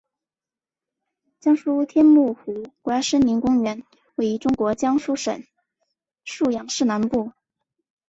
江苏天目湖国家森林公园位于中国江苏省溧阳市南部。